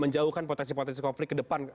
menjauhkan potensi potensi konflik ke depan